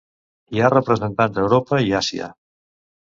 Hi ha representants a Europa i Àsia.